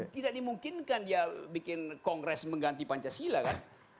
tidak dimungkinkan dia bikin kongres mengganti pancasila kan